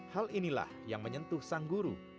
hal inilah yang menyentuh sang guru